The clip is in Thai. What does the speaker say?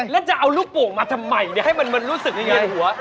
แล้วจะเอาลูกโป่งมาทำไมให้มันรู้สึกยังไงหัว